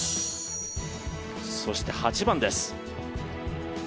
そして８番です。